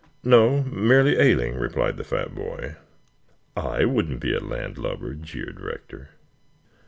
"No; merely ailing," replied the fat boy. "I wouldn't be a landlubber," jeered Rector.